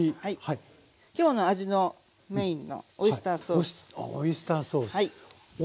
今日の味のメインのオイスターソース。